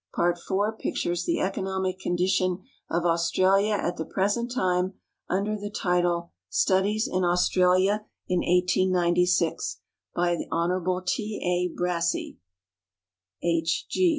Part IV pictures the economic condition of Aus tralia at the present time, under the title " Studies in Australia in 1896," by Hon. T. A. Brassey. H.